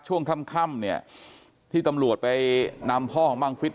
ช่วงค่ำเนี่ยที่ตำรวจไปนำพ่อของบังฟิศ